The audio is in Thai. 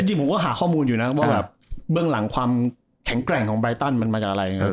จริงผมก็หาข้อมูลอยู่นะว่าแบบเบื้องหลังความแข็งแกร่งของไรตันมันมาจากอะไร